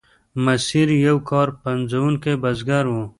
ماسیر یو کار پنځوونکی بزګر و.